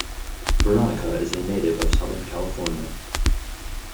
Veronica is a native of Southern California.